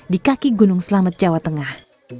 di kaki gunung selamet jawa tengah